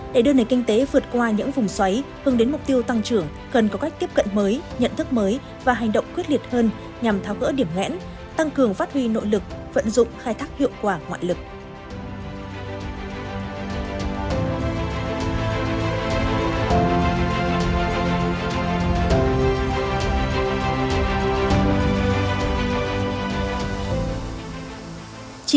để đưa nền kinh tế vượt qua những vùng xoáy hướng đến mục tiêu tăng trưởng cần có cách tiếp cận mới nhận thức mới và hành động quyết liệt hơn nhằm tháo gỡ điểm ngẽn tăng cường phát huy nội lực vận dụng khai thác hiệu quả ngoại lực